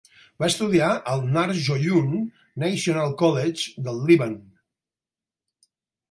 Va estudiar al Narj' Oyoun National College del Líban.